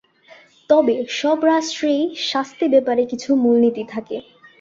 তবে সব রাষ্ট্রেই শাস্তি ব্যাপারে কিছু মূল নীতি থাকে।